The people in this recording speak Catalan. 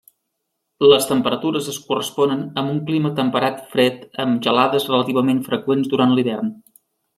Les temperatures es corresponen amb un clima temperat fred amb gelades relativament freqüents durant l’hivern.